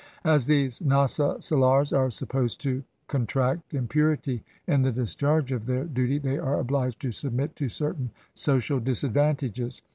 As these Nasa salars are supposed to con tract impurity in the discharge of their duty, they are obliged to submit to certain social disadvantages.